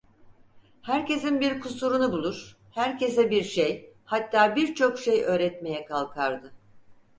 Herkesin bir kusurunu bulur, herkese bir şey, hatta birçok şey öğretmeye kalkardı.